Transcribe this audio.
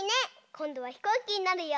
こんどはひこうきになるよ！